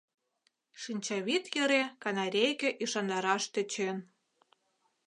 — шинчавӱд йӧре канарейке ӱшандараш тӧчен.